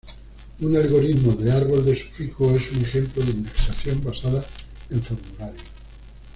Un algoritmo de árbol de sufijos es un ejemplo de indexación basada en formularios.